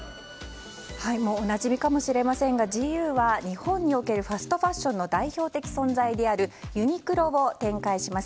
おなじみかもしれませんがＧＵは日本におけるファストファッションの代表的存在であるユニクロを展開します